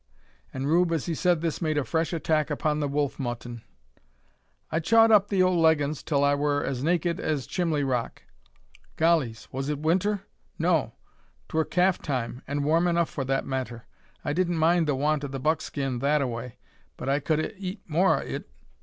And Rube, as he said this, made a fresh attack upon the wolf mutton. "I chawed up the ole leggins, till I wur as naked as Chimley Rock." "Gollies! was it winter?" "No. 'Twur calf time, an' warm enuf for that matter. I didn't mind the want o' the buckskin that a way, but I kud 'a eat more o' it.